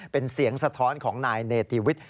เป็นเสียงสะท้อนของนายเนติวิทย์